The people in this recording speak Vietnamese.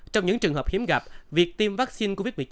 trong những trường hợp hiếm gặp việc tiêm vaccine covid một mươi chín